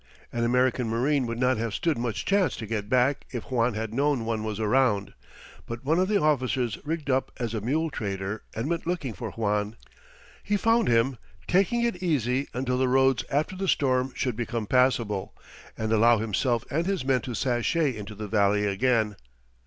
An American marine would not have stood much chance to get back if Juan had known one was around; but one of the officers rigged up as a mule trader and went looking for Juan. He found him, taking it easy until the roads after the storm should become passable, and allow himself and his men to sashay into the valley again.